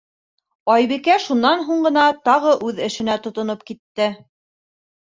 Айбикә шунан һуң ғына тағы үҙ эшенә тотоноп китте.